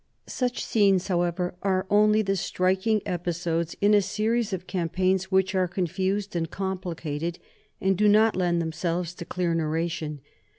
Such scenes, however, are only the striking episodes in a series of campaigns which are confused and compli cated and do not lend themselves to clear narration.